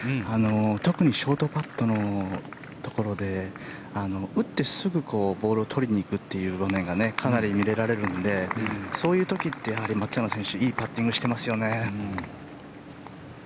特にショートパットのところで打ってすぐボールを取りに行くというのがかなり見られるのでそういう時ってやはり松山選手いいパッティングしてますよね。